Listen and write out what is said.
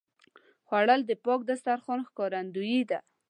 خوړل د پاک دسترخوان ښکارندویي ده